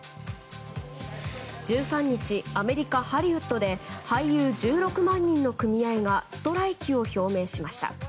１３日、アメリカ・ハリウッドで俳優１６万人の組合がストライキを表明しました。